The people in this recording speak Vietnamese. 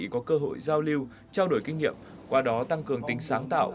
có cơ hội giao lưu trao đổi kinh nghiệm qua đó tăng cường tính sáng tạo